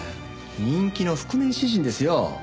人気の覆面詩人ですよ。